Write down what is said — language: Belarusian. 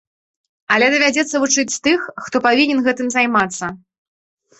Але давядзецца вучыць тых, хто павінен гэтым займацца.